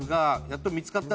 「やったっ！！